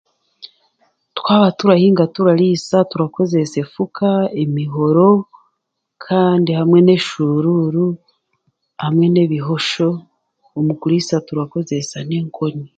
Twaturahinga turariisa turakoresa efuka emihoro kandi hamwe n'eshuruuru hamwe n'ebihosho omu kuriisa naho turakoresa n'enkoni